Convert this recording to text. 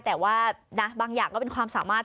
แต่ว่าบางอย่างก็เป็นความสามารถ